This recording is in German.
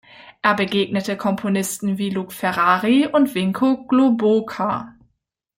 Er begegnete Komponisten wie Luc Ferrari und Vinko Globokar.